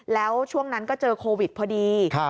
แล้วช่วงนั้นก็เจอโควิดพอดี